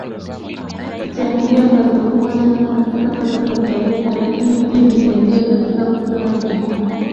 kuchangia pato kubwa sana katika pato la taifa lakini pia imesaidia katika kutoa ajira